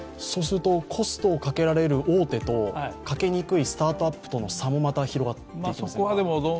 そうするとコストをかけられる大手とかけにくいスタートアップとの差もそこは広がっていきますか。